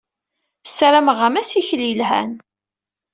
Ssarameɣ-am assikel yelhan.